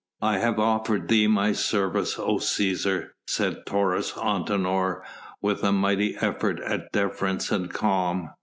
"I have offered thee my service, O Cæsar," said Taurus Antinor with a mighty effort at deference and calm.